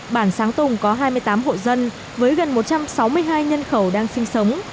bản sáng tùng có hai mươi tám hộ dân với gần một trăm sáu mươi hai nhân khẩu đang sinh sống